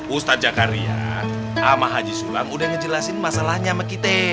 ustadz jakaria sama haji sulang udah ngejelasin masalahnya sama kita